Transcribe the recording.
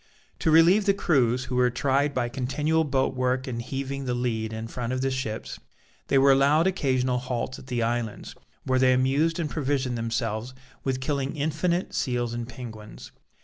To relieve the crews, who were tried by continual boat work and heaving the lead in front of the ships, they were allowed occasional halts at the islands, where they amused and provisioned themselves with killing infinite seals and penguins.